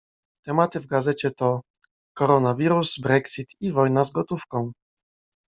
Tematy w gazecie to: Koronawirus, Brexit i wojna z gotówką.